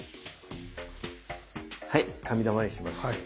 はい紙玉にします。